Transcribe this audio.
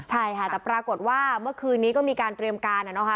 ใช่ค่ะแต่ปรากฏว่าเมื่อคืนนี้ก็มีการเตรียมการนะคะ